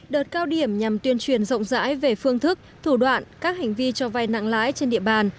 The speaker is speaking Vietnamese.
đợt cao điểm nhằm tuyên truyền rộng rãi về phương thức thủ đoạn các hành vi cho vai nặng lãi trên địa bàn